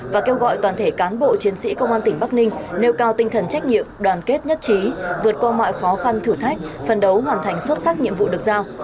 và kêu gọi toàn thể cán bộ chiến sĩ công an tỉnh bắc ninh nêu cao tinh thần trách nhiệm đoàn kết nhất trí vượt qua mọi khó khăn thử thách phân đấu hoàn thành xuất sắc nhiệm vụ được giao